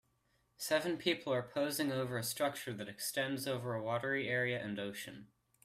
Seven people are posing over a structure that extends over a watery area and ocean.